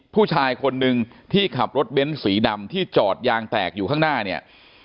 ผู้ชายคนนึงที่ขับรถเบ้นสีดำที่จอดยางแตกอยู่ข้างหน้าเนี่ย